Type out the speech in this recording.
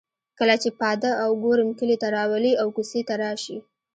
کله چې پاده او ګورم کلي ته راولي او کوڅې ته راشي.